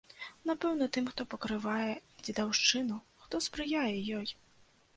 Напэўна, тым, хто пакрывае дзедаўшчыну, хто спрыяе ёй?